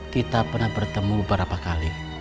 kita pernah bertemu beberapa kali